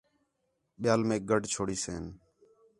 ٻِیال میک گڈھ چھوڑیسِن